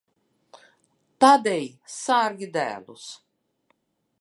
Tad ej, sargi dēlus.